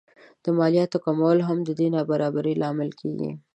د مالیاتو کمول هم د دې نابرابرۍ لامل ګڼل کېږي